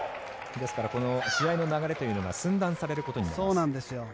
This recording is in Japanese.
ですから試合の流れというのが寸断されることになります。